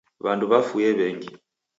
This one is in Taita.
W'andu w'afue w'engi.